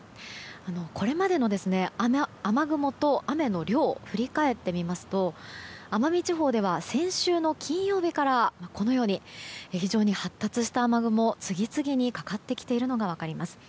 これまでの雨雲と雨の量を振り返ってみますと奄美地方では先週の金曜日から非常に発達した雨雲が次々にかかってきているのが分かります。